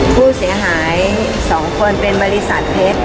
ผู้เสียหาย๒คนเป็นบริษัทเพชร